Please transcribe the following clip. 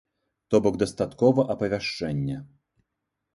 То бок дастаткова апавяшчэння.